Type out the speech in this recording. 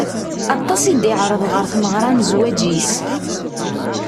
Aṭas i d-iɛreḍ ɣer tmeɣra n zzwaǧ-is.